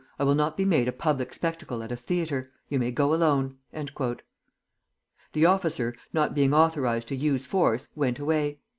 I will not be made a public spectacle at a theatre. You may go alone." The officer, not being authorized to use force, went away.